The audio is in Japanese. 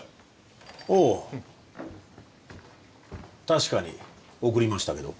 確かに送りましたけど。